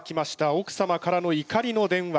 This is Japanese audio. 奥様からの怒りの電話！